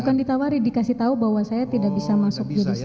bukan ditawarin dikasih tahu bahwa saya tidak bisa masuk jadi staff nya